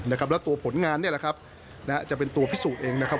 แล้วตัวผลงานเนี่ยแหละครับจะเป็นตัวพิสูจน์เองนะครับ